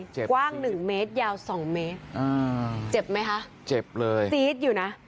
กว้างหนึ่งเมตรยาวสองเมตรอ่าเจ็บไหมคะเจ็บเลยซี๊ดอยู่น่ะ